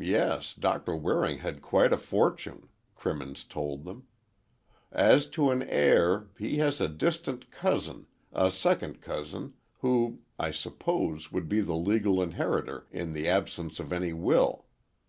"Yes; Doctor Waring had quite a fortune," Crimmins told them. "As to an heir, he has a distant cousin—a second cousin, who, I suppose would be the legal inheritor, in the absence of any will.